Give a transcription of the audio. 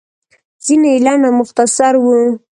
ځينې يې لنډ او مختصر وو.